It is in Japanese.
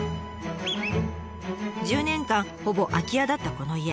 １０年間ほぼ空き家だったこの家。